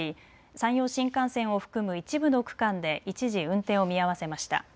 山陽新幹線を含む一部の区間で一時、運転を見合わせました。